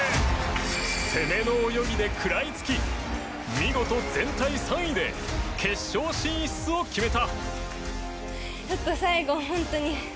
攻めの泳ぎで食らいつき見事、全体３位で決勝進出を決めた。